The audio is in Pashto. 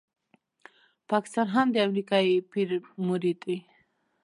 پاکستان هم د امریکایي پیر مرید دی.